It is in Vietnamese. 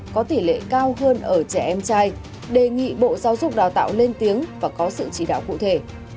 có tỷ lệ cao hơn ở trẻ em trai đề nghị bộ giáo dục đào tạo lên tiếng và có sự chỉ đạo cụ thể